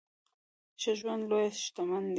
ښه ژوند لويه شتمني ده.